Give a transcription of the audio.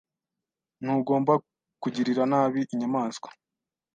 Ntugomba kugirira nabi inyamaswa.